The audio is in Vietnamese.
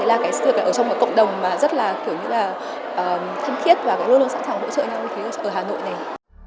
là sự việc ở trong một cộng đồng rất là thân thiết và luôn sẵn sàng hỗ trợ nhau như thế ở hà nội này